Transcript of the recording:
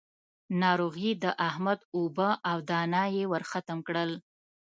ناروغي د احمد اوبه او دانه يې ورختم کړل.